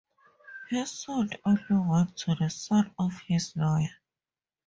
He sold only one, to the son of his lawyer.